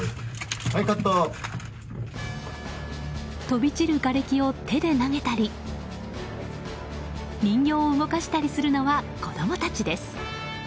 飛び散るがれきを手で投げたり人形を動かしたりするのは子供たちです。